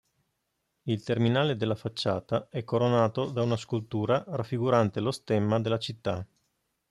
Il terminale della facciata è coronato da una scultura raffigurante lo stemma della città.